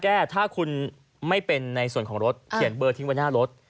แก้ถ้าคุณไม่เป็นในส่วนของรถเขียนเบอร์ทิ้งไว้หน้ารถ